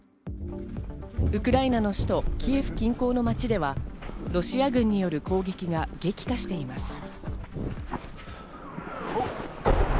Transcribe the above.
ウクライナの首都キエフ近郊の町ではロシア軍による攻撃が激化しています。